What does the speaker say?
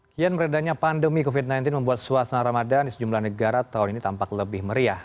kian meredahnya pandemi covid sembilan belas membuat suasana ramadan di sejumlah negara tahun ini tampak lebih meriah